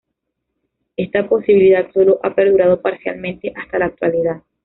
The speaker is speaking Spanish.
Esta posibilidad sólo ha perdurado parcialmente hasta la actualidad.